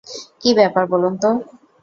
কি ব্যাপার বলুনতো?